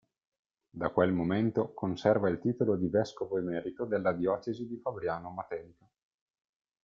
Da quel momento conserva il titolo di vescovo emerito della diocesi di Fabriano-Matelica.